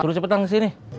turun cepetan kesini